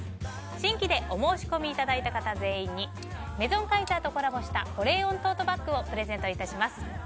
新規でお申し込みいただいた方全員にメゾンカイザーとコラボした保冷温トートバッグをプレゼントいたします。